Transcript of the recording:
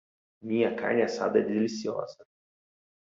Minha carne assada é deliciosa.